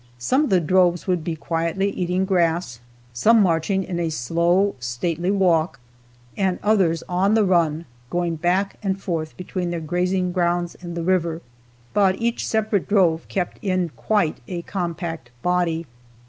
Some of the droves would be quietly eating grass, some marching in a slow, stately walk, and others on the run, going back and forth between their grazing grounds and the river. But each separate drove kept in quite a compact body.